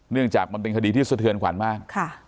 เนื่องจากมันเป็นคดีที่สเทือนขวานมาก